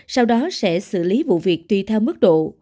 sau đó sẽ xử lý vụ việc tùy theo mức độ